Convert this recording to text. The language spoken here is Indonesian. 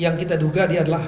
yang kita duga dia adalah